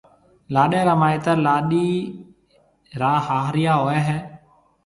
لاڏيَ را مائيتر لاڏيِ ريَ هاهريا هوئي هيَ۔